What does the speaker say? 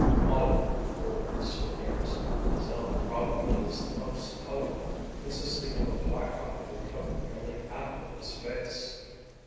All of them bore souvenirs. His own probably was the most colorful, consisting of a black eye that covered nearly half of his face.